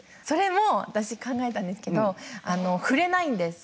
それも私考えたんですけどえっ！？